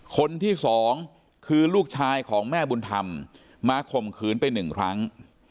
คนที่สองคือลูกชายของแม่บุญธรรมมาข่มขืนไปหนึ่งครั้ง